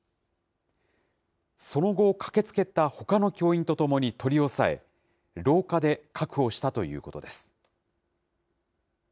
その後、駆けつけたほかの教員とともに取り押さえ、廊下で確保したということです。